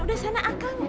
udah sana ah kang